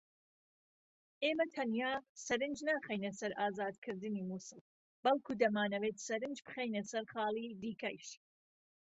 ئێمە تەنیا سەرنج ناخەینە سەر ئازادکردنی موسڵ بەڵکو دەمانەوێت سەرنج بخەینە سەر خاڵی دیکەش